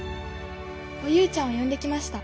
おゆうちゃんを呼んできました。